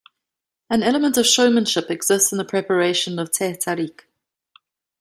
An element of showmanship exists in the preparation of "teh tarik".